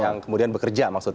yang kemudian bekerja maksudnya